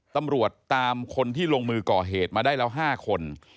ตำรวจตามคนที่ลงมือก่อเหตุมาได้แล้ว๕คน